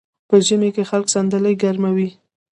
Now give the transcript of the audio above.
په ژمي کې خلک صندلۍ ګرموي.